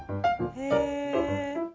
へえ。